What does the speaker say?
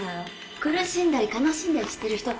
苦しんだり悲しんだりしてる人が